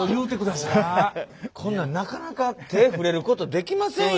こんなんなかなか手ぇ触れることできませんよ。